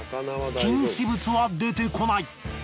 禁止物は出てこない。